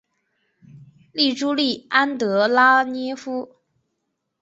圣朱利安德拉讷夫。